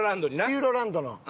ピューロランドの。